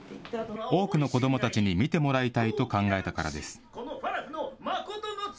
多くの子どもたちに見てもらいたいと考えたからです。